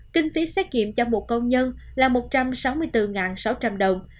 kinh phí xét kiệm cho một công nhân là một trăm sáu mươi bốn sáu trăm linh đồng